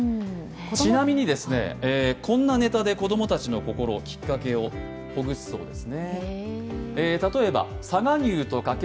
ちなみに、こんなネタで子どもたちの心をほぐすそうです。